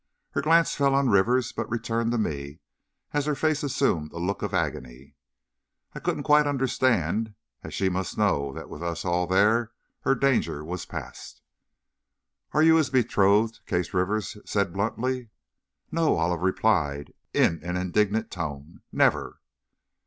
Her glance fell on Rivers, but returned to me, as her face assumed a look of agony. I couldn't quite understand, as she must know that with us all there her danger was past. "Are you his betrothed?" Case Rivers said, bluntly. "No!" Olive replied, in an indignant tone; "never!"